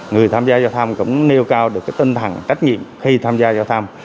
người tham gia giao thông cũng nêu cao được tinh thần trách nhiệm khi tham gia giao thông